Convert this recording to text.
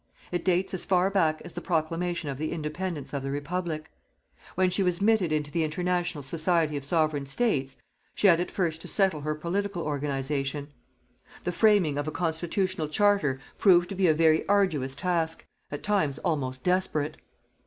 It dates as far back as the proclamation of the Independence of the Republic. When she was admitted into the international society of Sovereign States, she had at first to settle her political organization. The framing of a constitutional charter proved to be a very arduous task, at times almost desperate.